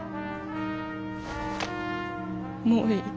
もういい。